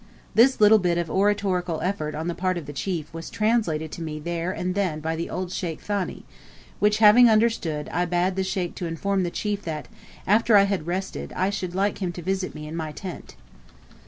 This little bit of oratorical effort on the part of the chief was translated to me there and then by the old Sheik Thani; which having understood, I bade the Sheikh inform the chief that, after I had rested, I should like him to visit me in my tent.